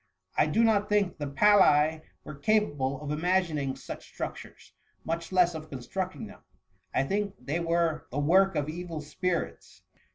I do not think the Falli were capable of ima^ning such struc tures, much less of constructing them. I think they were the work of evil spirits.'"